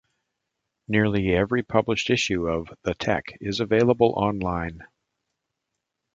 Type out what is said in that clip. Nearly every published issue of "The Tech" is available online.